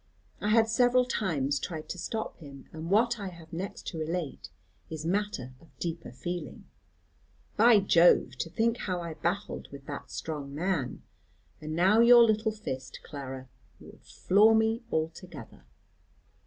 I had several times tried to stop him. "And what I have next to relate is matter of deeper feeling. By Jove, to think how I battled with that strong man! And now your little fist, Clara, would floor me altogether."